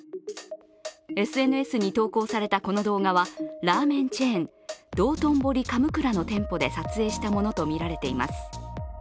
ＳＮＳに投稿されたこの動画は、ラーメンチェーン、どうとんぼり神座の店舗で撮影されたものとみられています。